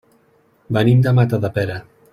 Venim de Matadepera.